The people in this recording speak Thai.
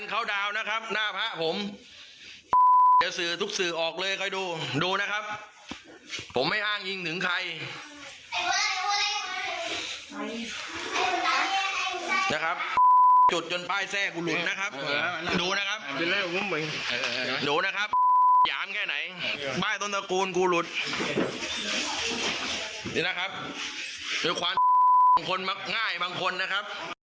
ป้ายต้นตระกูลกูหลุดนี่นะครับเป็นความบางคนมักง่ายบางคนนะครับ